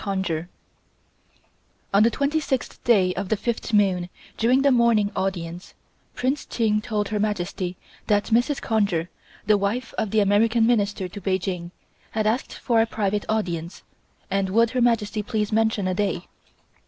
CONGER ON the twenty sixth day of the fifth moon, during the morning audience, Prince Ching told Her Majesty that Mrs. Conger, the wife of the American Minister to Peking, had asked for a private audience, and would Her Majesty please mention a day.